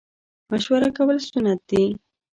مشوره کول سنت دي